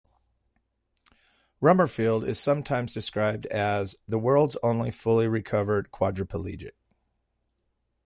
Rummerfield is sometimes described as "the world's only fully recovered quadriplegic".